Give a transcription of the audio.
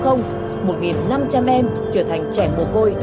một năm trăm linh em trở thành trẻ mồ côi